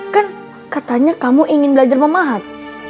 kan katanya kamu ingin belajar memahat